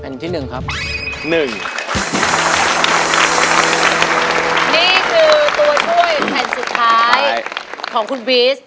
นี่คือตัวช่วยแผ่นสุดท้ายของคุณบีส